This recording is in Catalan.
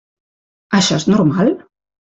Això és normal?